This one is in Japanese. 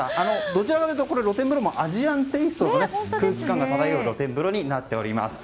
どちらかというと露天風呂もアジアンテイストな空気感がただよう露天風呂になっています。